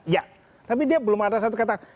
ya tapi dia belum ada satu kata